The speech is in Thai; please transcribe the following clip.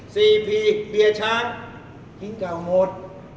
สีผีเบียช้างจีนเก่าหมด